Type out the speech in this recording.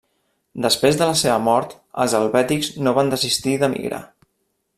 Després de la seva mort, els helvètics no van desistir de migrar.